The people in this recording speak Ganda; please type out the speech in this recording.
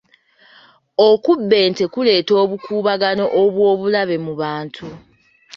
Okubba ente kuleeta obukuubagano obw'obulabe mu bantu.